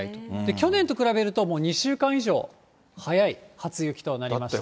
去年と比べると、もう２週間以上、早い初雪となりました。